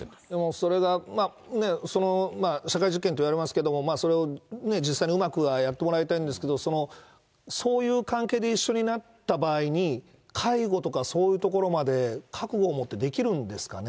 それが社会実験っていわれますけども、それを実際にうまくやってもらいたいんですけれども、そういう関係で一緒になった場合に、介護とかそういうところまで覚悟を持ってできるんですかね。